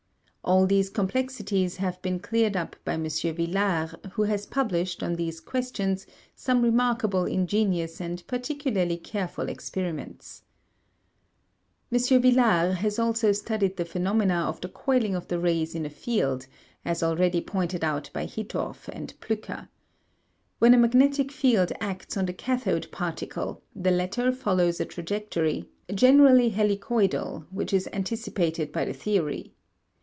All these complexities have been cleared up by M. Villard, who has published, on these questions, some remarkably ingenious and particularly careful experiments. M. Villard has also studied the phenomena of the coiling of the rays in a field, as already pointed out by Hittorf and Plücker. When a magnetic field acts on the cathode particle, the latter follows a trajectory, generally helicoidal, which is anticipated by the theory.